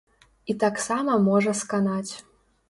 І таксама можа сканаць.